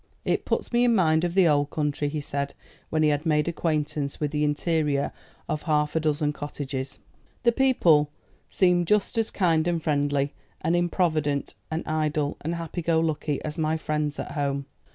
"It puts me in mind of the old country," he said, when he had made acquaintance with the interior of half a dozen cottages. "The people seem just as kind and friendly, and improvident, and idle, and happy go lucky as my friends at home.